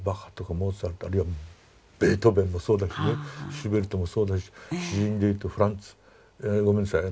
モーツァルトあるいはベートーベンもそうだしねシューベルトもそうだし詩人でいうとフランツごめんなさい。